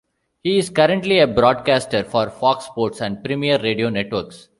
He is currently a broadcaster for Fox Sports and Premiere Radio Networks.